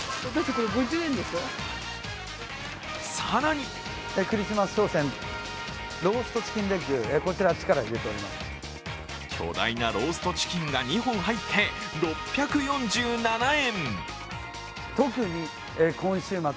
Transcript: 更に巨大なローストチキンが２本入って６４７円。